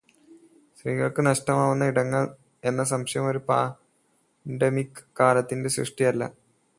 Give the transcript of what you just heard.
സ്ത്രീകൾക്ക് നഷ്ടമാവുന്ന ഇടങ്ങൾ എന്ന ആശയം ഒരു പാൻഡെമിൿ കാലത്തിന്റെ സൃഷ്ടി അല്ല.